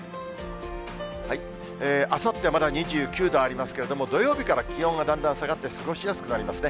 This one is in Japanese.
あさってはまだ２９度ありますけれども、土曜日から気温がだんだん下がって、過ごしやすくなりますね。